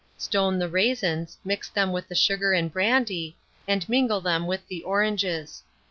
Stone the raisins, mix them with the sugar and brandy, and mingle them with the oranges.